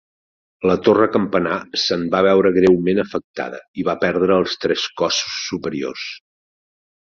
La torre campanar se'n va veure greument afectada i va perdre els tres cossos superiors.